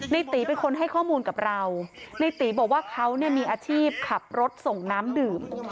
ในตีเป็นคนให้ข้อมูลกับเราในตีบอกว่าเขาเนี่ยมีอาชีพขับรถส่งน้ำดื่ม